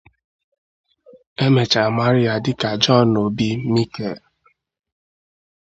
Emechara mara ya dị ka John Obi Mikel.